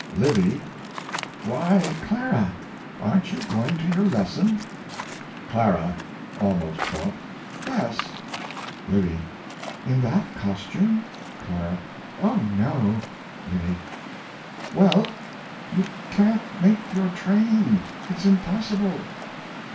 LIVY. Why, Clara, aren't you going to your lesson? CLARA (almost caught). Yes. L. In that costume? CL. Oh no. L. Well, you can't make your train; it's impossible.